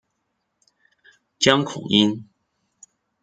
江孔殷。